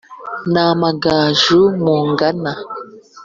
N'amagaju mungana